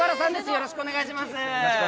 よろしくお願いします。